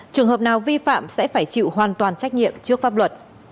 trường hợp nào vi phạm sẽ phải chịu hoàn toàn trách nhiệm trước pháp luật